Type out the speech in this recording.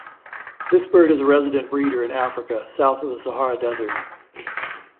This bird is a resident breeder in Africa south of the Sahara Desert.